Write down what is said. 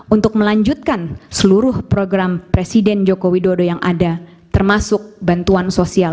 untuk melanjutkan seluruh program presiden joko widodo yang ada termasuk bantuan sosial